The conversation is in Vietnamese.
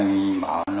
chị bảo rằng